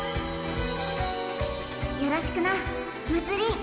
よろしくなまつり！